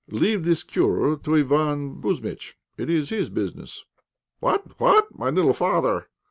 Leave this cure do Iván Kouzmitch it is his business." "What! what! my little father!"